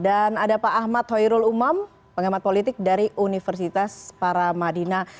dan ada pak ahmad hoirul umam pengamat politik dari universitas paramadina